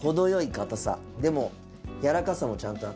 でもやわらかさもちゃんとあって。